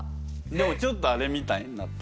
でもちょっとあれみたいになった。